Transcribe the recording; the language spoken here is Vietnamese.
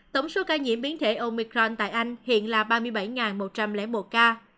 tổng số ca nhiễm biến thể omicron tại anh hiện là ba mươi bảy một trăm linh một ca